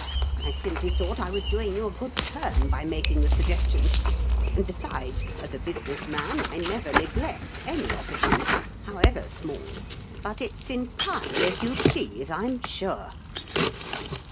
I simply thought I was doing you a good turn by mak ing the suggestion ; and, besides, as a business man, I never neglect any opportunity, how ever small. But it's entirely as you please, I'm sure."